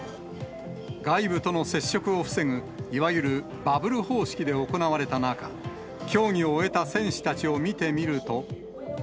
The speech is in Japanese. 外部との接触を防ぐいわゆるバブル方式で行われた中、競技を終えた選手たちを見てみると。